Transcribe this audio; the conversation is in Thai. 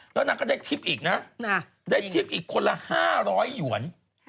แล้วนางก็ได้ทริปอีกนะได้ทริปอีกคนละ๕๐๐หยวน